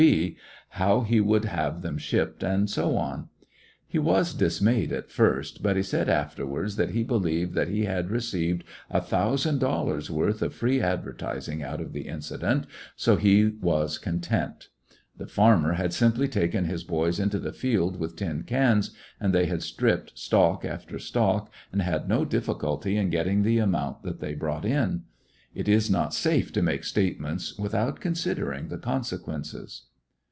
B., how he would have them shipped, and so on. He was dismayed at first, but he said afterwards that he believed that he had received a thousand dollars' worth of 150 'jyiissionarY in tge Great West free advertising out of the incident, so lie was content. The farmer had simply taken his boys into the fields with tin cans, and they had stripped stalk after stalk, and had no difficulty in getting the amount that they brought in. It is not safe to make statements without considering the consequences.